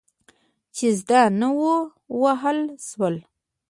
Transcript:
چې زده نه وو، ووهل شول.